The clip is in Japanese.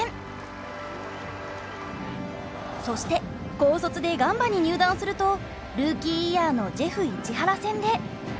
そして高卒でガンバに入団するとルーキーイヤーのジェフ市原戦で。